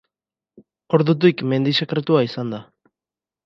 Ordutik mendi sakratua izan da.